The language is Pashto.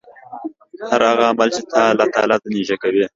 هر هغه عمل چې تا الله تعالی ته نژدې کوي